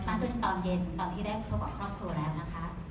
ขึ้นตอนเย็นตอนที่ได้พบกับครอบครัวแล้วนะคะ